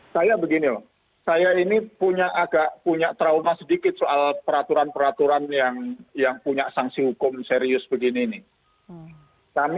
saya begini loh saya ini punya agak punya trauma sedikit soal peraturan peraturan yang punya sanksi hukum serius begini nih